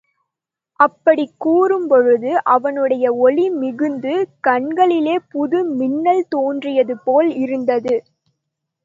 அப்படிக் கூறும்பொழுது அவனுடைய ஒளி மிகுந்த கண்களிலே புது மின்னல் தோன்றியதுபோல் இருந்தது.